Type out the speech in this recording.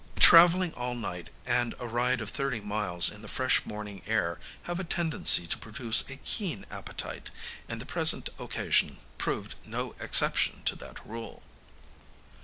Travelling all night, and a ride of thirty miles in the fresh morning air, have a tendency to produce a keen appetite; and the present occasion proved no exception to that rule.